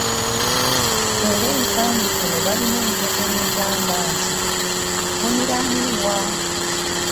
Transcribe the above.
Era ensangi zino balina enjogera egamba nti, "Nfuniramu wa?"